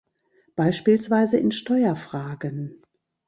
Beispielsweise in Steuerfragen.